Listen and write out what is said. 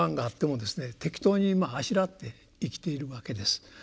適当にあしらって生きているわけです。